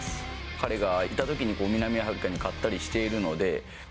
彼がいたときに、南アフリカに勝ったりしているので。